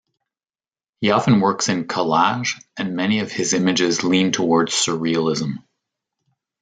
He often works in collage, and many of his images lean toward surrealism.